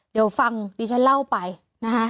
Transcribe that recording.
เดี๋ยวฟังดิฉันเล่าไปนะคะ